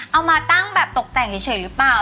เอามาตั้งแบบตกแต่งเฉยหรือเปล่า